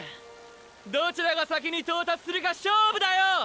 どちらが先に到達するか勝負だよ！